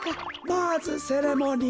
まずセレモニー。